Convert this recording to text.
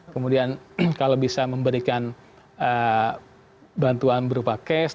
kemudian kalau bisa memberikan bantuan berupa cash